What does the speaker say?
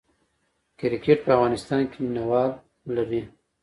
کرکټ په افغانستان کې مینه وال لري